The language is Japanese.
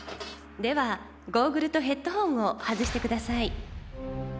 ではゴーグルとヘッドホンを外してください。